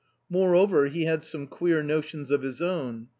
Moreover, he had some queer notions of his own.